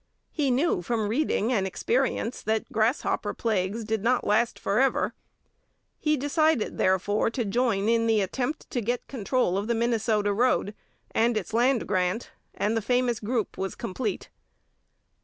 He knew from reading and experience that grasshopper plagues did not last for ever. He decided, therefore, to join in the attempt to get control of the Minnesota road and its land grant, and the famous group was complete.